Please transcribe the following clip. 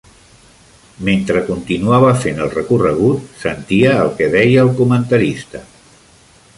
Mentre continuaven fent el recorregut, sentia el que deia el comentarista.